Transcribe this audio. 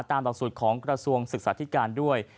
ตามต่อสูตรของกระทรวงศึกษาภิการด้วย